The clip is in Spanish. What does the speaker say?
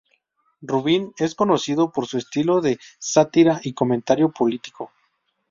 Rubin es conocido por su estilo de sátira y comentario político.